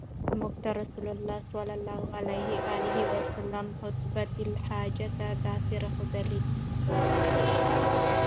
مونږ ته رسول الله صلی الله عليه وسلم خُطْبَةَ الْحَاجَة داسي را ښودلي